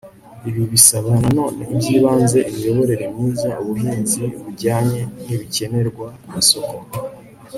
ibyo bisaba na none iby'ibanze imiyoborere myiza, ubuhinzi bujyanye n'ibikenerwa ku masoko